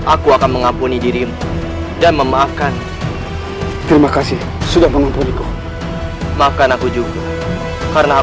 aku akan mengampuni dirimu dan memaafkan terima kasih sudah mengampuni kau makan aku juga karena